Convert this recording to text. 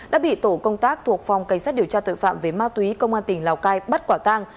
đã bị tổ công tác thuộc phòng cảnh sát điều tra tội phạm về ma túy công an tỉnh lào cai bắt quả tang